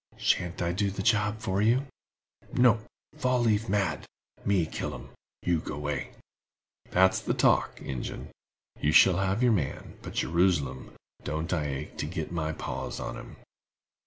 "Shan't I do the job for ye?" "No—Fall leaf mad. Me kill 'em—you go way." "That's the talk, Ingen. You shall have your man; but, Jerusalem, don't I ache to git my paws on him!"